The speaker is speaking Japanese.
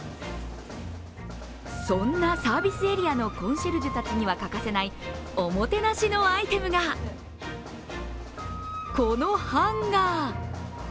そんなサービスエリアのコンシェルジュたちには欠かせないおもてなしのアイテムがこのハンガー。